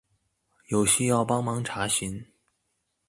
有需要幫忙查詢